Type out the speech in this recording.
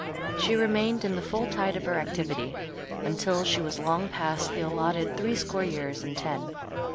She remained in the full tide of her activity until she was long past the allotted threescore years and ten.